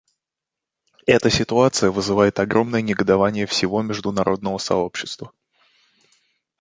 Эта ситуация вызывает огромное негодование всего международного сообщества.